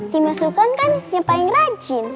timnya sultan kan yang paling rajin